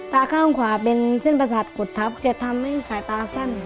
ตาข้างขวาเป็นเส้นประสาทกุดทับจะทำให้สายตาสั้น